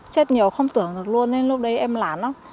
chết nhiều không tưởng được luôn nên lúc đấy em làm lắm